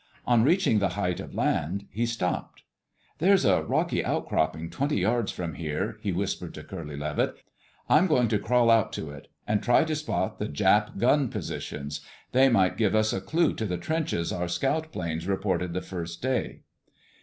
On reaching the height of land, he stopped. "There's a rocky outcropping twenty yards from here," he whispered to Curly Levitt. "I'm going to crawl out to it and try to spot the Jap gun positions.... They might give us a clue to the trenches our scout plane reported the first day."